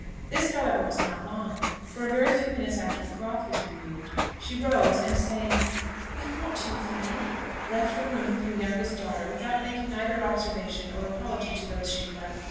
This, however, was not long; for, a very few minutes after the cloth was removed, she rose, and saying, "I want you, Fanny," left the room with her youngest daughter without making either observation or apology to those she left.